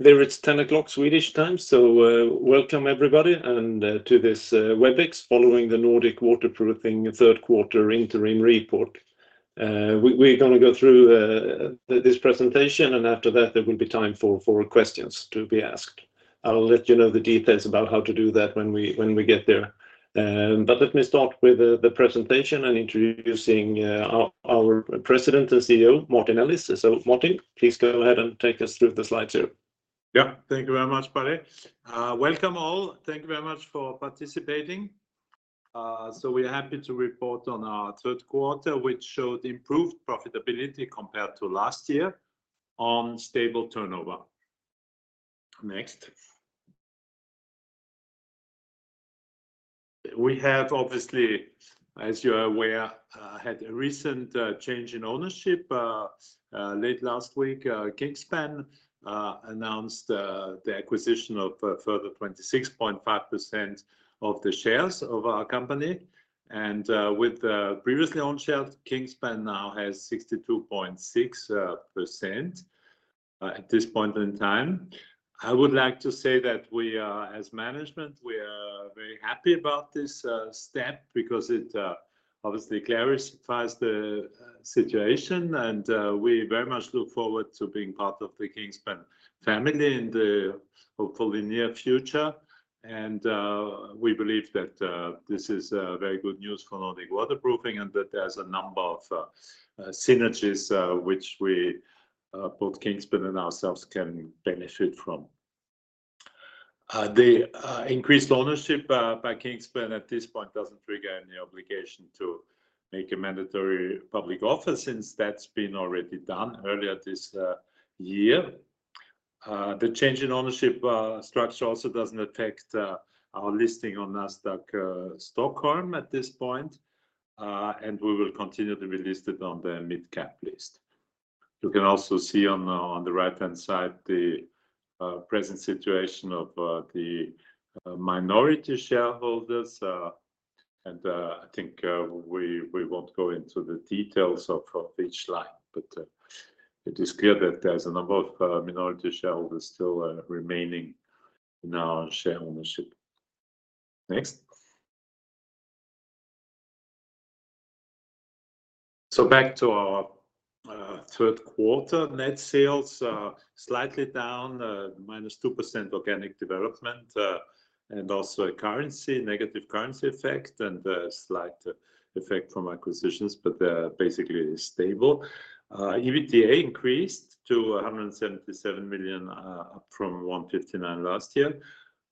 It's 10:00 A.M. Swedish time, so welcome everybody, and to this Webex following the Nordic Waterproofing Third Quarter Interim Report. We're gonna go through this presentation, and after that, there will be time for questions to be asked. I'll let you know the details about how to do that when we get there. But let me start with the presentation and introducing our President and CEO, Martin Ellis. So Martin, please go ahead and take us through the slides too. Yeah. Thank you very much, Palle. Welcome all. Thank you very much for participating. So we're happy to report on our third quarter, which showed improved profitability compared to last year on stable turnover. Next. We have, obviously, as you're aware, had a recent change in ownership. Late last week, Kingspan announced the acquisition of a further 26.5% of the shares of our company, and with the previously owned shares, Kingspan now has 62.6% at this point in time. I would like to say that we are, as management, we are very happy about this step because it obviously clarifies the situation, and we very much look forward to being part of the Kingspan family in the hopefully near future. And we believe that this is very good news for Nordic Waterproofing, and that there's a number of synergies which we both Kingspan and ourselves can benefit from. The increased ownership by Kingspan at this point doesn't trigger any obligation to make a mandatory public offer, since that's been already done earlier this year. The change in ownership structure also doesn't affect our listing on Nasdaq Stockholm at this point, and we will continue to be listed on the Mid Cap list. You can also see on the right-hand side the present situation of the minority shareholders. And I think we won't go into the details of each line, but it is clear that there's a number of minority shareholders still remaining in our share ownership. Next. So back to our third quarter net sales. Slightly down, minus 2% organic development, and also a negative currency effect, and a slight effect from acquisitions, but they're basically stable. EBITDA increased to 177 million, up from 159 last year.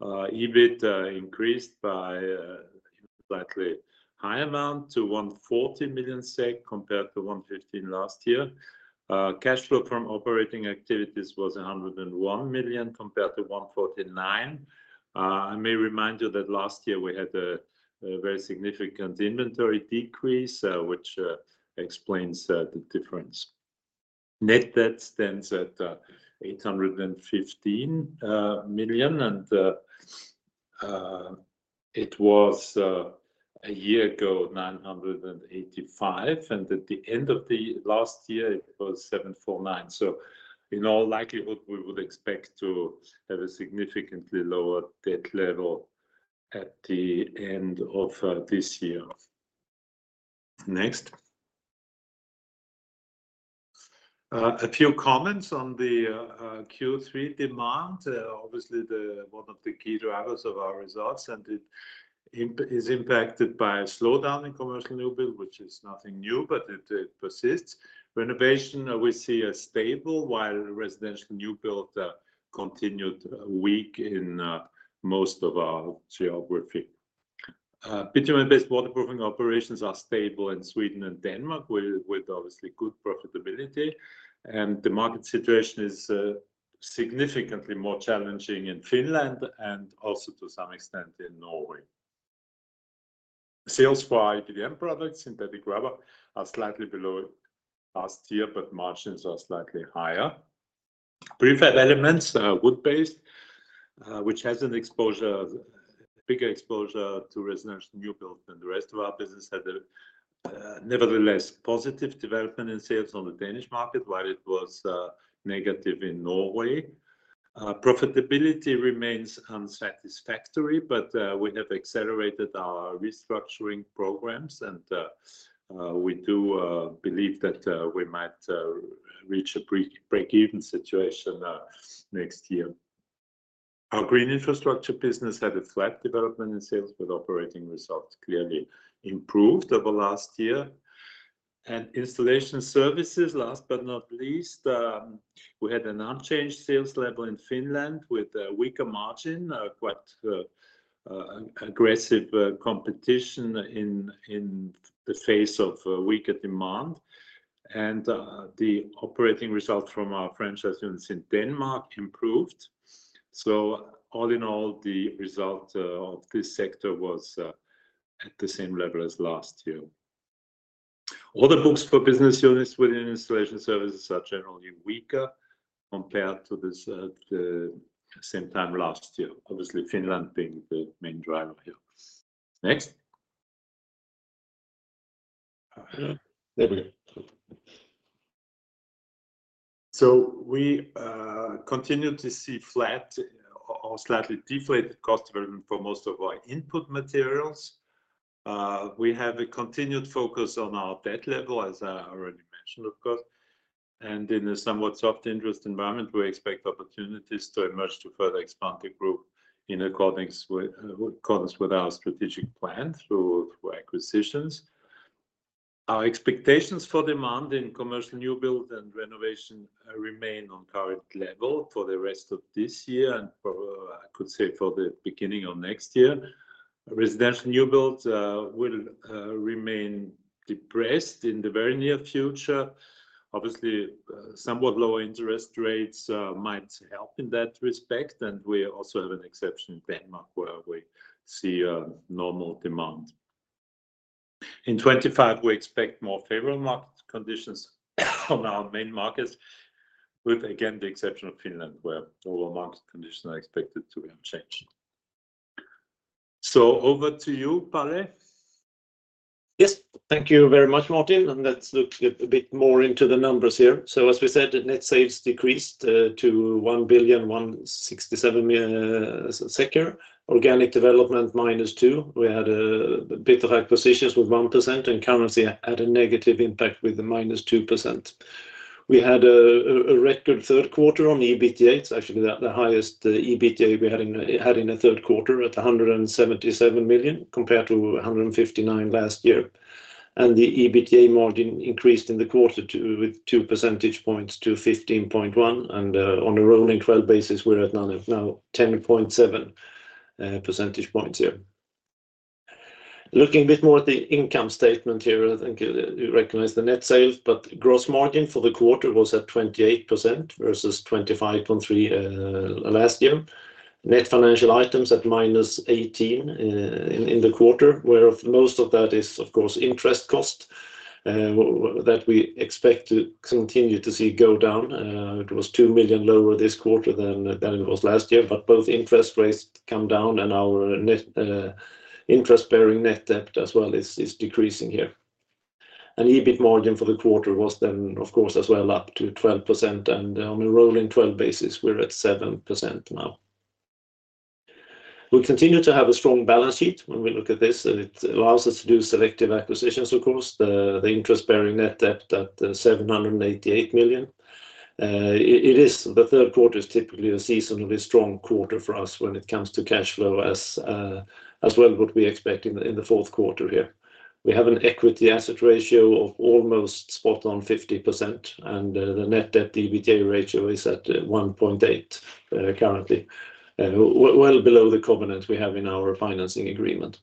EBIT increased by a slightly high amount, to 140 million SEK, compared to 115 last year. Cash flow from operating activities was 101 million, compared to 149 million. I may remind you that last year we had a very significant inventory decrease, which explains the difference. Net debt stands at 815 million, and it was a year ago 985 million, and at the end of the last year, it was 749 million. So in all likelihood, we would expect to have a significantly lower debt level at the end of this year. Next. A few comments on the Q3 demand. Obviously, the one of the key drivers of our results, and it is impacted by a slowdown in commercial new build, which is nothing new, but it persists. Renovation, we see as stable, while residential new build continued weak in most of our geography. Bitumen-based waterproofing operations are stable in Sweden and Denmark, with obviously good profitability, and the market situation is significantly more challenging in Finland and also to some extent in Norway. Sales for EPDM products, synthetic rubber, are slightly below last year, but margins are slightly higher. Prefab elements, wood-based, which has a bigger exposure to residential new build than the rest of our business, had nevertheless positive development in sales on the Danish market, while it was negative in Norway. Profitability remains unsatisfactory, but we have accelerated our restructuring programs, and we do believe that we might reach a break-even situation next year. Our green infrastructure business had a flat development in sales, but operating results clearly improved over last year. Installation Services, last but not least, we had an unchanged sales level in Finland with a weaker margin, quite aggressive competition in the face of a weaker demand. The operating result from our franchise units in Denmark improved. All in all, the result of this sector was at the same level as last year. Order books for business units within Installation Services are generally weaker compared to the same time last year, obviously Finland being the main driver here. Next. There we go. We continue to see flat or slightly deflated cost development for most of our input materials. We have a continued focus on our debt level, as I already mentioned, of course, and in a somewhat soft interest environment, we expect opportunities to emerge to further expand the group in accordance with our strategic plan through acquisitions. Our expectations for demand in commercial new build and renovation remain on current level for the rest of this year, and probably, I could say for the beginning of next year. Residential new build will remain depressed in the very near future. Obviously, somewhat lower interest rates might help in that respect, and we also have an exception in Denmark, where we see a normal demand. In twenty-five, we expect more favorable market conditions on our main markets, with, again, the exception of Finland, where all market conditions are expected to remain changed. So over to you, Palle. Yes. Thank you very much, Martin, and let's look a bit more into the numbers here. So as we said, the net sales decreased to 1,167 million. Organic development -2%. We had a bit of acquisitions with 1%, and currency had a negative impact with -2%. We had a record third quarter on the EBITDA. It's actually the highest EBITDA we had in a third quarter at 177 million, compared to 159 last year. And the EBITDA margin increased in the quarter to 15.1% with two percentage points, and on a rolling 12 basis, we're now at 10.7 percentage points here. Looking a bit more at the income statement here, I think you recognize the net sales, but gross margin for the quarter was at 28% versus 25.3% last year. Net financial items at -18 in the quarter, whereof most of that is, of course, interest cost that we expect to continue to see go down. It was 2 million lower this quarter than it was last year, but both interest rates come down and our net interest-bearing net debt as well is decreasing here. EBIT margin for the quarter was then, of course, as well, up to 12%, and on a rolling 12 basis, we're at 7% now. We continue to have a strong balance sheet when we look at this, and it allows us to do selective acquisitions, of course, the interest-bearing net debt at 788 million. It is, the third quarter is typically a seasonally strong quarter for us when it comes to cash flow as well what we expect in the fourth quarter here. We have an equity asset ratio of almost spot on 50%, and the net debt/EBITDA ratio is at 1.8 currently, well below the covenant we have in our financing agreement.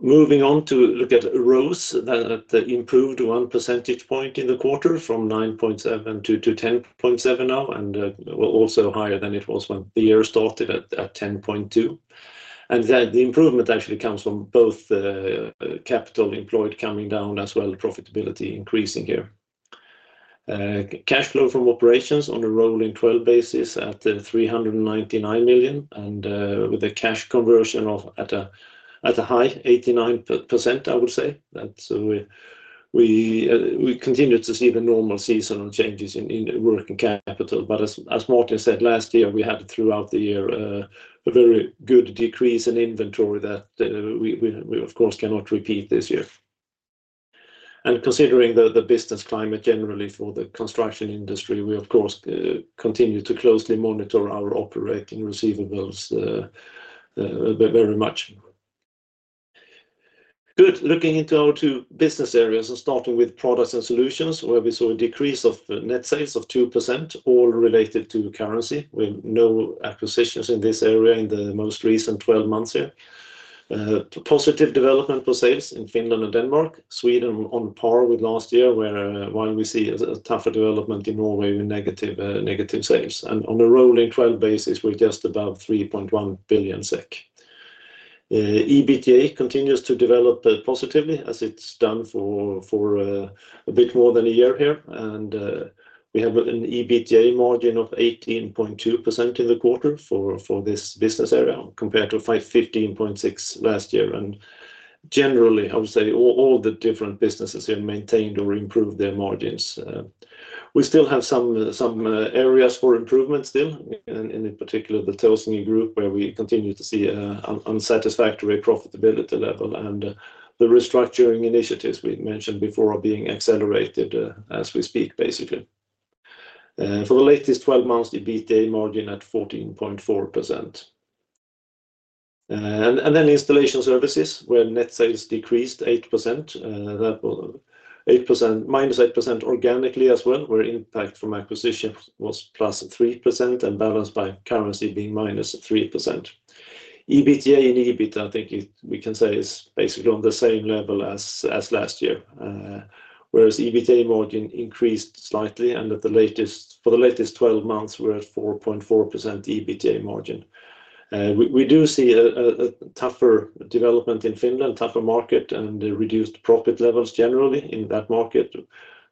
Moving on to look at ROCE, that improved one percentage point in the quarter from 9.7-10.7 now, and also higher than it was when the year started at 10.2. The improvement actually comes from both the capital employed coming down, as well as profitability increasing here. Cash flow from operations on a rolling 12 basis at 399 million, and with a cash conversion of a high 89%, I would say. We continue to see the normal seasonal changes in the working capital. As Martin said, last year we had throughout the year a very good decrease in inventory that of course we cannot repeat this year. Considering the business climate generally for the construction industry, we of course continue to closely monitor our operating receivables very much. Good. Looking into our two business areas, and starting with Products and Solutions, where we saw a decrease of net sales of 2%, all related to currency, with no acquisitions in this area in the most recent 12 months here. Positive development for sales in Finland and Denmark. Sweden on par with last year, where while we see a tougher development in Norway with negative sales, and on a rolling 12 basis, we're just about 3.1 billion SEK. EBITDA continues to develop positively, as it's done for a bit more than a year here, and we have an EBITDA margin of 18.2% in the quarter for this business area, compared to 15.6% last year, and generally, I would say all the different businesses have maintained or improved their margins. We still have some areas for improvement still, and in particular, the Taasinge Elementer, where we continue to see an unsatisfactory profitability level. The restructuring initiatives we mentioned before are being accelerated as we speak, basically. For the latest 12 months, the EBITDA margin at 14.4%. And then Installation Services, where net sales decreased 8%, that was -8% organically as well, where impact from acquisitions was +3% and balanced by currency being -3%. EBITDA and EBIT, I think, we can say, is basically on the same level as last year, whereas EBITDA margin increased slightly, and for the latest 12 months, we're at 4.4% EBITDA margin. We do see a tougher development in Finland, tougher market, and reduced profit levels generally in that market,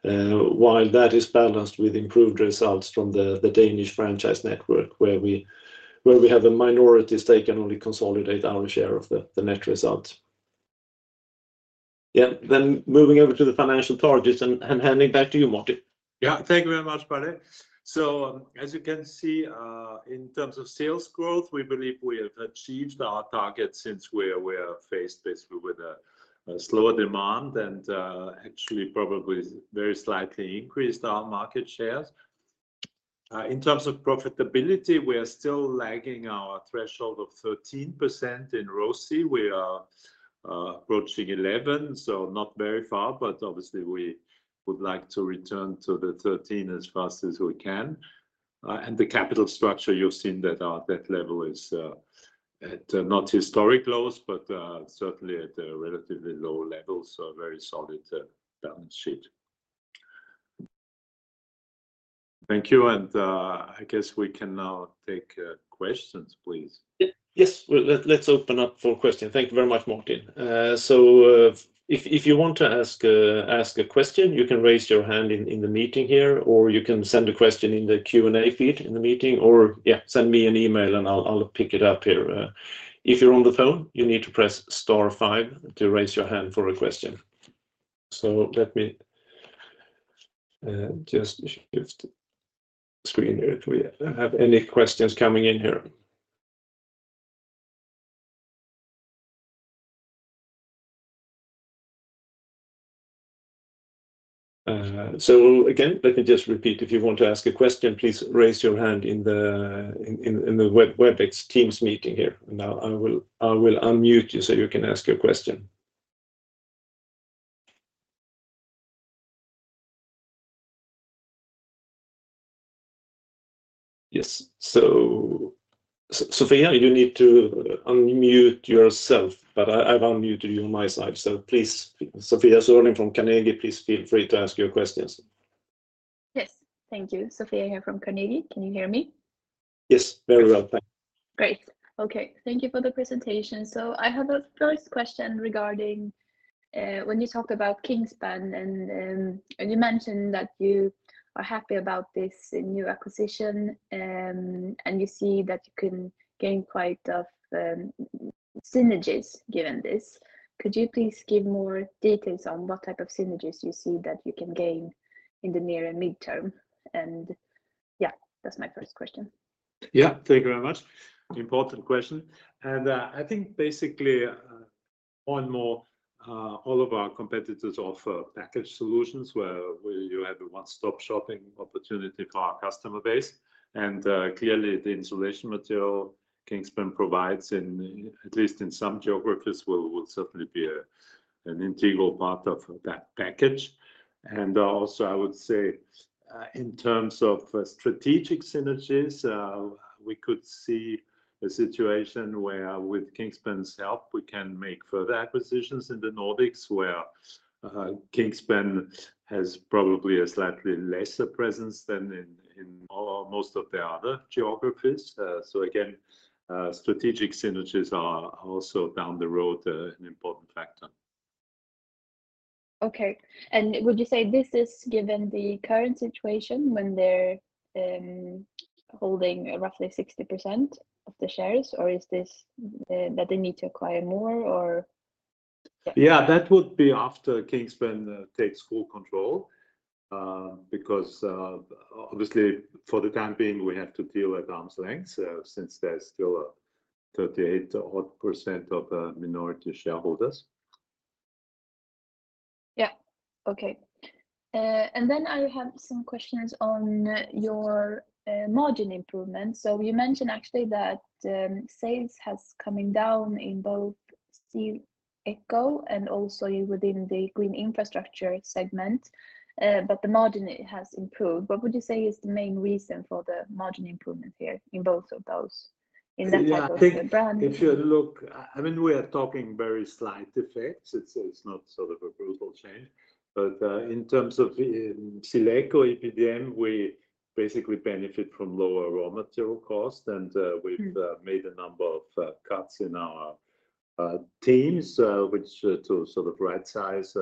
while that is balanced with improved results from the Danish Franchise Network, where we have a minority stake and only consolidate our share of the net results. Yeah, then moving over to the financial targets and handing back to you, Martin. Yeah, thank you very much, Palle. So as you can see, in terms of sales growth, we believe we have achieved our target since we're faced, basically, with a slower demand and actually probably very slightly increased our market shares. In terms of profitability, we are still lagging our threshold of 13% in ROCE. We are approaching 11%, so not very far, but obviously we would like to return to the 13 as fast as we can. And the capital structure, you've seen that our debt level is at not historic lows, but certainly at a relatively low level, so a very solid balance sheet. Thank you, and I guess we can now take questions, please. Yeah. Yes, well, let's open up for questions. Thank you very much, Martin. So, if you want to ask a question, you can raise your hand in the meeting here, or you can send a question in the Q&A feed in the meeting, or yeah, send me an email and I'll pick it up here. If you're on the phone, you need to press star five to raise your hand for a question. So let me just shift the screen here if we have any questions coming in here. So again, let me just repeat. If you want to ask a question, please raise your hand in the Webex meeting here. Now, I will unmute you so you can ask your question. Yes. So, Sofia, you need to unmute yourself, but I, I've unmuted you on my side, so please, Sofia Sörling from Carnegie, please feel free to ask your questions. Yes. Thank you. Sofia here from Carnegie. Can you hear me? Yes, very well. Thank you. Great. Okay. Thank you for the presentation. So I have a first question regarding when you talked about Kingspan and you mentioned that you are happy about this new acquisition and you see that you can gain quite of synergies given this. Could you please give more details on what type of synergies you see that you can gain in the near and midterm? And yeah, that's my first question. Yeah, thank you very much. Important question, and I think basically, more and more, all of our competitors offer package solutions where you have a one-stop shopping opportunity for our customer base, and clearly, the insulation material Kingspan provides in at least some geographies will certainly be an integral part of that package, and also, I would say, in terms of strategic synergies, we could see a situation where with Kingspan's help, we can make further acquisitions in the Nordics, where Kingspan has probably a slightly lesser presence than in almost all of the other geographies, so again, strategic synergies are also down the road, an important factor. Okay, and would you say this is given the current situation when they're holding roughly 60% of the shares, or is this that they need to acquire more, or? Yeah, that would be after Kingspan takes full control, because, obviously, for the time being, we have to deal at arm's length, since there's still a 38-odd% of minority shareholders. Yeah. Okay. And then I have some questions on your margin improvement. So you mentioned actually that sales has coming down in both SealEco and also within the green infrastructure segment, but the margin has improved. What would you say is the main reason for the margin improvement here in both of those, in that type of a brand? Yeah, I think if you look, I mean, we are talking very slight effects. It's, it's not sort of a brutal change. But, in terms of, SealEco EPDM, we basically benefit from lower raw material cost, and- Mm we've made a number of cuts in our teams, which to sort of right size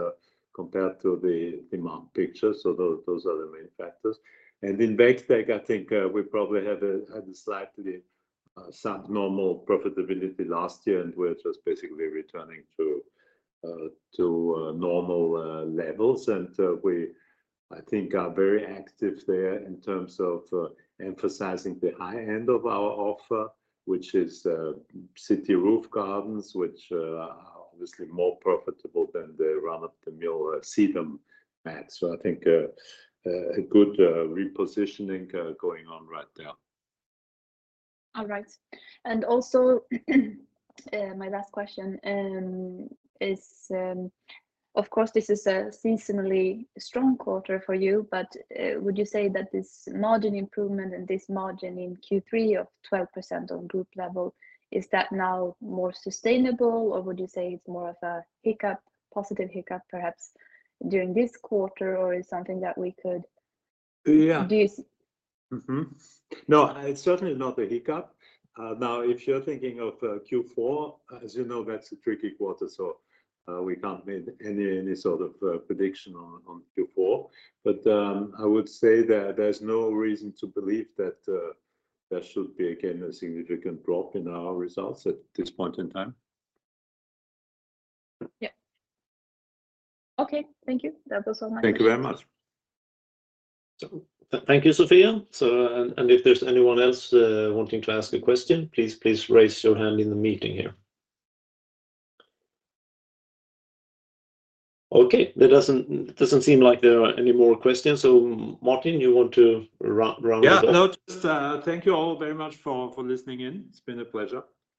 compared to the demand picture. So those are the main factors. And in Veg Tech, I think we probably have had a slightly sub-normal profitability last year, and we're just basically returning to normal levels. And we I think are very active there in terms of emphasizing the high end of our offer, which is city roof gardens, which are obviously more profitable than the run-of-the-mill sedum mats. So I think a good repositioning going on right there. All right. And also, my last question, is, of course, this is a seasonally strong quarter for you, but, would you say that this margin improvement and this margin in Q3 of 12% on group level, is that now more sustainable, or would you say it's more of a hiccup, positive hiccup, perhaps, during this quarter, or is something that we could- Yeah reduce? Mm-hmm. No, it's certainly not a hiccup. Now, if you're thinking of Q4, as you know, that's a tricky quarter, so we can't make any sort of prediction on Q4, but I would say that there's no reason to believe that there should be, again, a significant drop in our results at this point in time. Yeah. Okay, thank you. That was all my questions. Thank you very much. Thank you, Sofia. And if there's anyone else wanting to ask a question, please raise your hand in the meeting here. Okay, there doesn't seem like there are any more questions, so Martin, you want to wrap round it up? Yeah. No, just thank you all very much for listening in. It's been a pleasure.